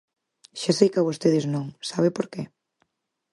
Xa sei que a vostedes non, ¿sabe por que?